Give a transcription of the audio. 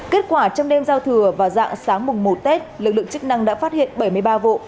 kết quả trong đêm giao thừa và dạng sáng mùng một tết lực lượng chức năng đã phát hiện bảy mươi ba vụ